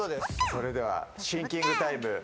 それではシンキングタイム。